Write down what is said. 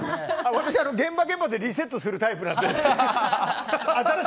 私は現場現場でリセットするタイプなのでひな壇